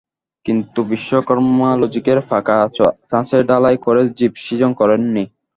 কিন্তু বিশ্বকর্মা লজিকের পাকা ছাঁচে ঢালাই করে জীব সৃজন করেন নি।